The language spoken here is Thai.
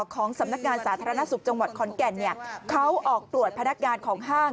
ของสำนักงานสาธารณสุขจังหวัดขอนแก่นเขาออกตรวจพนักงานของห้าง